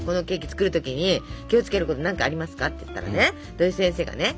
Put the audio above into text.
作る時に気をつけること何かありますか？」って言ったらね土井先生がね